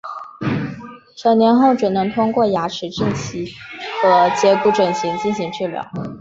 成年后只能通过牙齿正畸和截骨整形进行治疗。